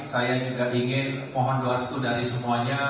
saya juga ingin mohon doa restu dari semuanya